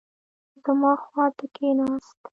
زما خوا ته کښېناست.